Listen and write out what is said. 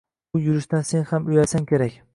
Bu yurishdan sen ham uyalsang kerak.